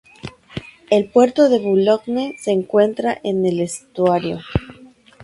El puerto de Boulogne se encuentra en el estuario.